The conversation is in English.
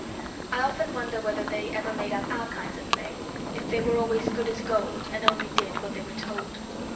I often wonder whether they Ever made up our kinds of play If they were always good as gold And only did what they were told.